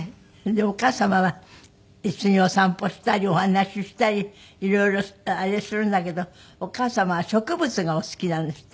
お母様は一緒にお散歩したりお話ししたり色々あれするんだけどお母様は植物がお好きなんですって？